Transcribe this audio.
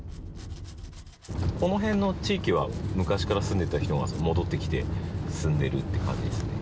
この辺の地域は昔から住んでた人が戻ってきて住んでるって感じですね。